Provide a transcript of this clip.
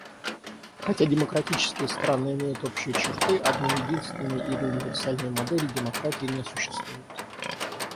Хотя демократические страны имеют общие черты, одной единственной или универсальной модели демократии не существует.